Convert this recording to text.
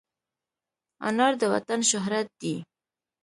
انار د وطن شهرت دی.